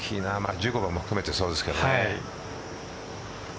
１５番も含めてそうですけどね。